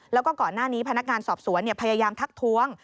แล้วก็ก่อนหน้านี้พนักงานสอบสวนพยายามทักท้วง